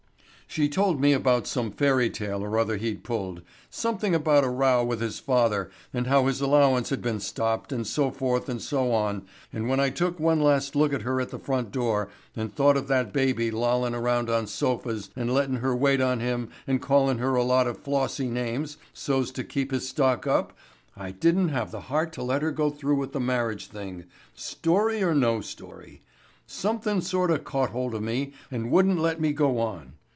"She told me about some fairy tale or other he'd pulled—something about a row with his father and how his allowance had been stopped and so forth and so on and when I took one last look at her at the front door and thought of that baby lollin' around on sofas and lettin' her wait on him and callin' her a lot of flossy names so's to keep his stock up I didn't have the heart to let her go through with the marriage thing, story or no story. Somethin' sort of caught hold of me and wouldn't let me go on.